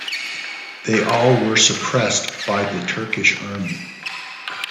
They all were suppressed by the Turkish Army.